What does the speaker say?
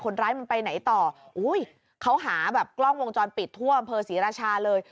คนร้ายมันไปไหนต่ออุ้ยเขาหาแบบกล้องวงจรปิดทั่วอำเภอศรีราชาเลย